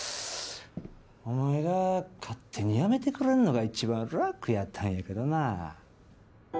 お前が勝手に辞めてくれるのが一番楽やったんやけどな。